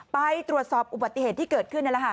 ไปตรวจสอบอุบัติเหตุที่เกิดขึ้นนั่นแหละค่ะ